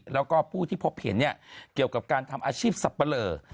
แล้วก็ผู้ที่พบเห็นเกี่ยวกับการทำอาชีพสับปะเลอ